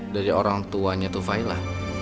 dari orang tuanya tufaila